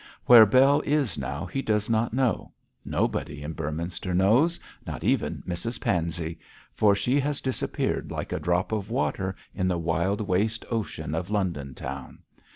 Where Bell is now he does not know; nobody in Beorminster knows not even Mrs Pansey for she has disappeared like a drop of water in the wild waste ocean of London town.